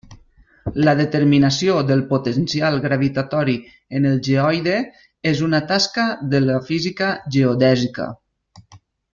La determinació del potencial gravitatori en el geoide és una tasca de la física geodèsica.